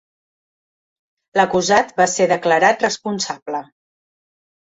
L'acusat va ser declarat responsable.